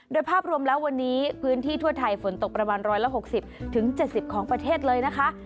โดยภาพรวมแล้ววันนี้พื้นที่ทั่วไทยฝนตกประมาณ๑๖๐๗๐ของประเทศเลยนะคะ